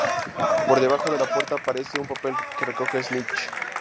Por debajo de la puerta aparece un papel que recoge Snitch.